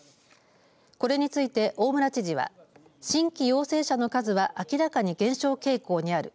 これについて大村知事は新規陽性者の数は明らかに減少傾向にある。